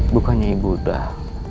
bukannya ibu sudah